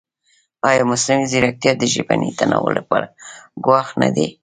ایا مصنوعي ځیرکتیا د ژبني تنوع لپاره ګواښ نه دی؟